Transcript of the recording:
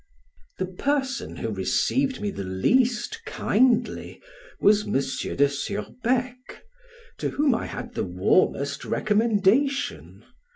The person who received me the least kindly was M. de Surbeck, to whom I had the warmest recommendation.